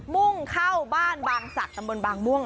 มุ่งเข้าบานบางสักตำบลบาลงมั่งม่วง